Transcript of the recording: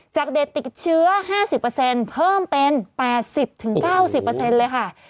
จากเด็กติดเชื้อ๕๐เพิ่มเป็น๘๐๙๐เลยค่ะ